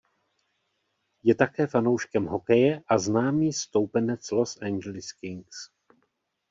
Je také fanouškem hokeje a známý stoupenec Los Angeles Kings.